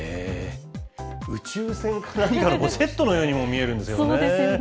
宇宙船か何かのセットのようにも見えるんですけどね。